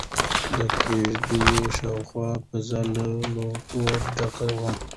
د کيږديو شاوخوا فضا له لوګي ډکه وه.